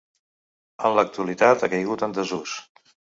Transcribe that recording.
En l'actualitat ha caigut en desús.